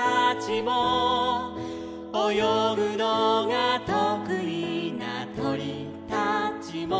「およぐのがとくいなとりたちも」